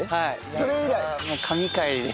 それ以来。